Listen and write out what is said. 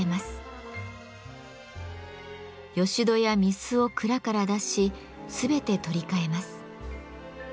よし戸や御簾を蔵から出し全て取り替えます。